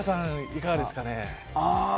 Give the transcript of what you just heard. いかがですか。